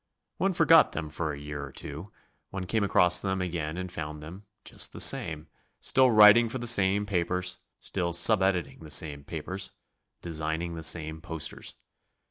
One forgot them for a year or two, one came across them again and found them just the same still writing for the same papers, still sub editing the same papers, designing the same posters.